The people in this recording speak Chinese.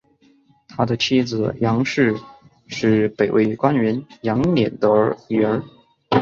他的妻子杨氏是北魏官员杨俭的女儿。